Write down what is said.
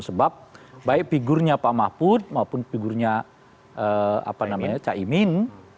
sebab baik figurnya pak mahfud maupun figurnya cak imin